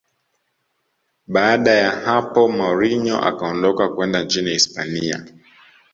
baada ya hapo mourinho akaondoka kwenda nchini hispania